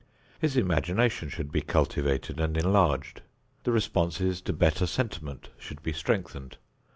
His imagination should be cultivated and enlarged. The responses to better sentiment should be strengthened.